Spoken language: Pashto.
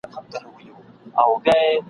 خو چي وګورم څلور پښې مي نازکي !.